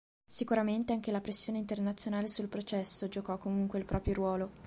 Sicuramente anche la pressione internazionale sul processo giocò comunque il proprio ruolo.